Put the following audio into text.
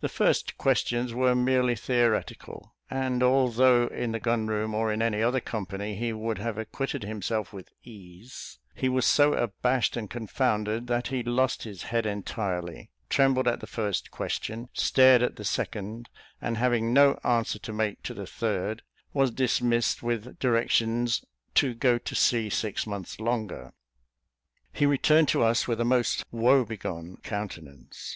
The first questions were merely theoretical; and although in the gun room, or in any other company, he would have acquitted himself with ease, he was so abashed and confounded, that he lost his head entirely, trembled at the first question, stared at the second, and having no answer to make to the third, was dismissed, with directions "to go to sea six months longer." He returned to us with a most woe begone countenance.